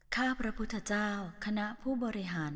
ข้าพระพุทธเจ้าคณะผู้บริหาร